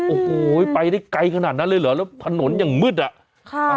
โอ้โหไปได้ไกลขนาดนั้นเลยเหรอแล้วถนนอย่างมืดอ่ะค่ะ